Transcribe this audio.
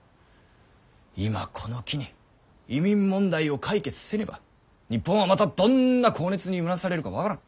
今この機に移民問題を解決せねば日本はまたどんな高熱にうなされるか分からん。